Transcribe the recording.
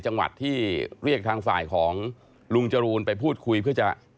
จังหวัดที่เรียกทางฝ่ายของลุงจรูนไปพูดคุยเพื่อจะ